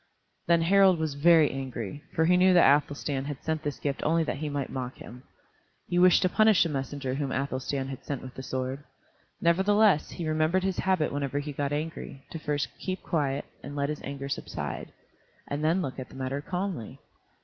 Then Harald was very angry, for he knew that Athelstan had sent this gift only that he might mock him. He wished to punish the messenger whom Athelstan had sent with the sword. Nevertheless he remembered his habit whenever he got angry, to first keep quiet and let his anger subside, and then look at the matter calmly.